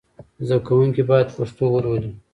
زدهکوونکي باید پښتو ولولي.